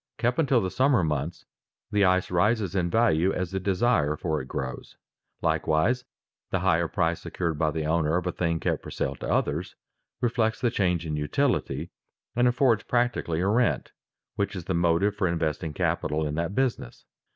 Kept until the summer months, the ice rises in value as the desire for it grows. Likewise the higher price secured by the owner of a thing kept for sale to others, reflects the change in utility, and affords practically a rent which is the motive for investing capital in that business.